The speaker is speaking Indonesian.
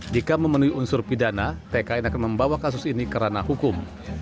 jika memenuhi unsur pidana tkn akan membawa kasus ini ke ranah hukum